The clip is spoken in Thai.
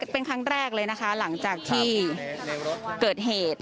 เป็นครั้งแรกเลยนะคะหลังจากที่เกิดเหตุ